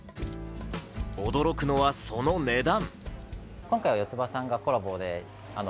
驚くのは、その値段。